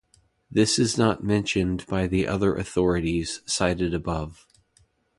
This is not mentioned by the other authorities cited above.